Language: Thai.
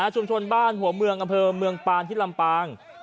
ชุมชนบ้านหัวเมืองกระเพลงแป่งที่ลำปาง